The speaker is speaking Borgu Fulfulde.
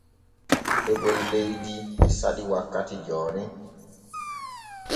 Keɓol leydi e saɗi wakkati jooni.